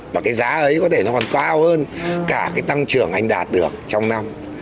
và cái giá ấy có thể nó còn cao hơn cả cái tăng trưởng anh đạt được trong năm